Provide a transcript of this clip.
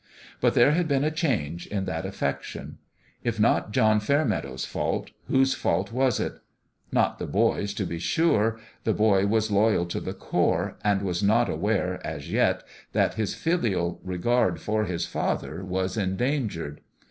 But there had been a change in that affection. If not John Fairmeadow's fault, whose fault was it ? Not the boy's, to be sure ; the boy was loyal to the core, and was not aware, as yet, that his filial regard for his father was endangered.